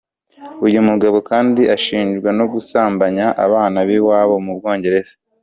Uyu mugabo kandi ashinjwa no gusambanya abana b’iwabo mu Bwongereza.